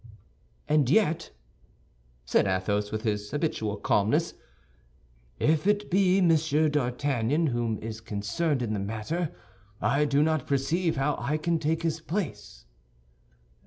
"And yet," said Athos, with his habitual calmness, "if it be Monsieur d'Artagnan who is concerned in this matter, I do not perceive how I can take his place."